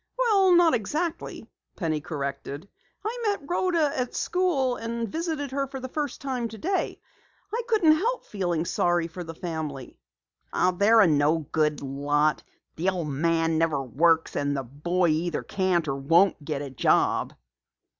"Well, not exactly," Penny corrected. "I met Rhoda at school and visited her for the first time today. I couldn't help feeling sorry for the family." "They're a no good lot. The old man never works, and the boy either can't or won't get a job."